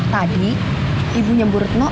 tadi ibunya bu rutno